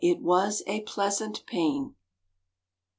it was a pleasante payne!